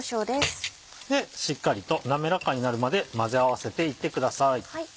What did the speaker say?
しっかりと滑らかになるまで混ぜ合わせていってください。